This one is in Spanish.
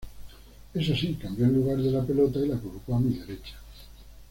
Eso sí, cambió el lugar de la pelota y la colocó a mi derecha.